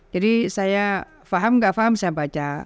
jadi saya paham nggak paham saya baca